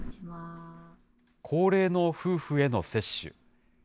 高齢の夫婦への接種。